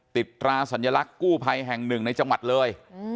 ตราสัญลักษณ์กู้ภัยแห่งหนึ่งในจังหวัดเลย